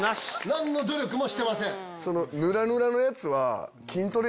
何の努力もしてません。